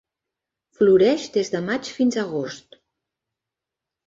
Floreix des de maig fins a agost.